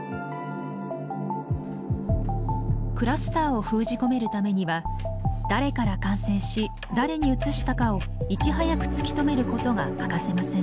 クラスターを封じ込めるためには誰から感染し誰にうつしたかをいち早く突き止めることが欠かせません。